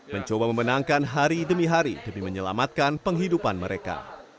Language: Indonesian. mencoba memenangkan hari demi hari demi menyelamatkan penghidupan mereka